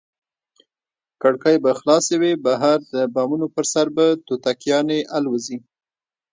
کړکۍ به خلاصې وي، بهر د بامونو پر سر به توتکیانې الوزي.